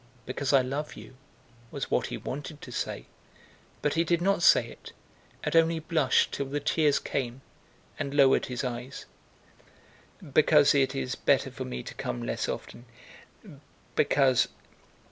"Because I love you!" was what he wanted to say, but he did not say it, and only blushed till the tears came, and lowered his eyes. "Because it is better for me to come less often... because...